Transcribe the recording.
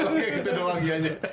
iya kita doang ianya